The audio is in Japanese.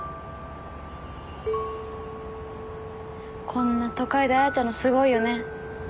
こんな都会で会えたのすごいよね。